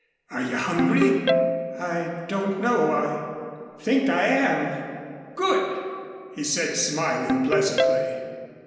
Are you hungry?" "I don't know. I I think I am." "Good!" he said smiling pleasantly.